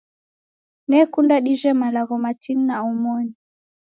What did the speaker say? Nekunda dihje malagho matini na omoni.